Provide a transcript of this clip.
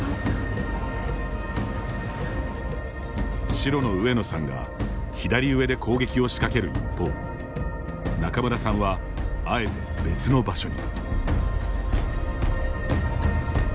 白の上野さんが左上で攻撃を仕掛ける一方仲邑さんはあえて別の場所に。